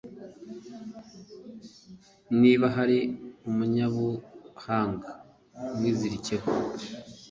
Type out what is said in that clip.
niba hari umunyabuhanga, umwizirikeho